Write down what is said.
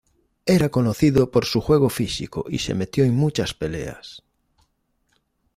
Era conocido por su juego físico y se metió en muchas peleas.